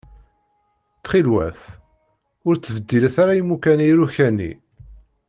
Ttxil-wat ur ttbeddilet ara imukan i iruka-nni.